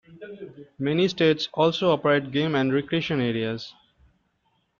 Many states also operate game and recreation areas.